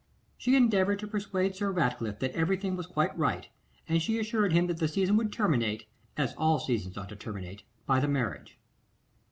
She endeavoured to persuade Sir Ratcliffe that everything was quite right, and she assured him that the season would terminate, as all seasons ought to terminate, by the marriage.